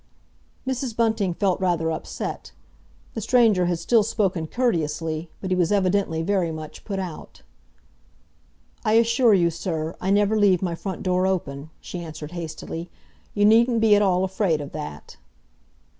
Mrs. Bunting felt rather upset. The stranger had still spoken courteously, but he was evidently very much put out. "I assure you, sir, I never leave my front door open," she answered hastily. "You needn't be at all afraid of that!"